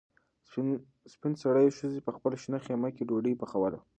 سپین سرې ښځې په خپله شنه خیمه کې ډوډۍ پخوله.